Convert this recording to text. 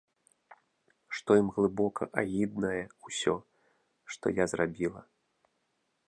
Што ім глыбока агіднае ўсё, што я зрабіла.